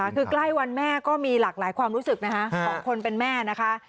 คือใกล้วันแม่ก็มีหลากหลายความรู้สึกนะคะของคนเป็นแม่นะคะ